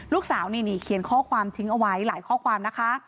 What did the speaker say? ลูกสาวนี่เขียนข้อความทิ้งเอาไว้หลายข้อความนะคะ